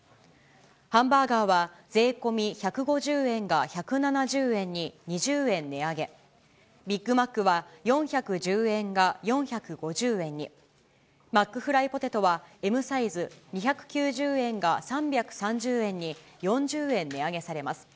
ハンバーガーは税込み１５０円が１７０円に２０円値上げ、ビッグマックは４１０円が４５０円に、マックフライポテトはＭサイズ２９０円が３３０円に、４０円値上げされます。